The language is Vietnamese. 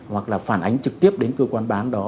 hoặc là phản ánh trực tiếp đến cơ quan bán đó